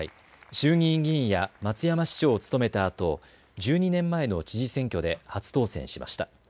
衆議院議員や松山市長を務めたあと、１２年前の知事選挙で初当選しました。